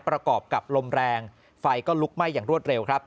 ประกอบกับลมแรงไฟก็ลุกไหม้อย่างรวดเร็วครับ